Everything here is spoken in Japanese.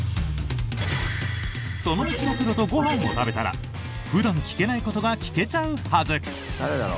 その道のプロとご飯を食べたら普段聞けないことが聞けちゃうはず。